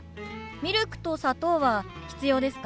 ミルクと砂糖は必要ですか？